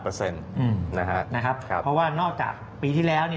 เพราะว่านอกจากปีที่แล้ว